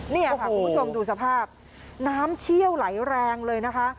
นี่ค่ะคุณผู้ชมดูสภาพน้ำเชี่ยวไหลแรงเลยนะคะ